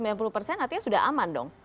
artinya sudah aman dong